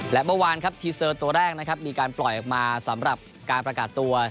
และเมื่อวานครับทีเซอร์ตัวแรกนะครับมีการปล่อยออกมาสำหรับการประกาศตัว